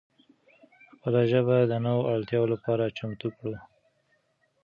خپله ژبه د نوو اړتیاو لپاره چمتو کړو.